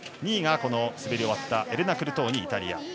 ２位が今、滑り終わったエレナ・クルトーニ、イタリア。